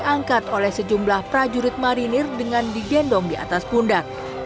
diangkat oleh sejumlah prajurit marinir dengan digendong di atas pundak